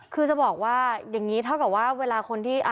คือจะบอกว่าอย่างนี้เท่ากับว่าเวลาคนที่